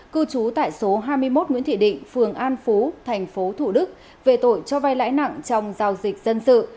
cư trú tại số hai mươi một nguyễn thị định phường an phú thành phố thủ đức về tội cho vay lãi nặng trong giao dịch dân sự